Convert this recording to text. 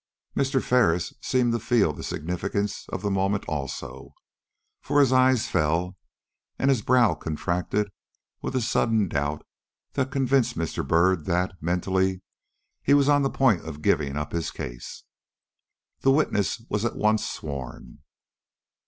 Mr. Ferris seemed to feel the significance of the moment also, for his eyes fell and his brow contracted with a sudden doubt that convinced Mr. Byrd that, mentally, he was on the point of giving up his case. The witness was at once sworn.